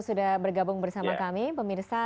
sudah bergabung bersama kami pemirsa